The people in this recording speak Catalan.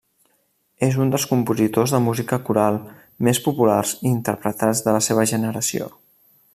És un dels compositors de música coral més populars i interpretats de la seva generació.